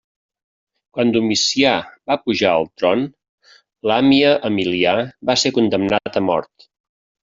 Quan Domicià va pujar al tron Làmia Emilià va ser condemnat a mort.